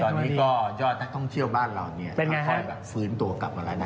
ตอนนี้ก็ยอดท่องเที่ยวบ้านเราค่อยฝืนตัวกลับมาแล้วนะ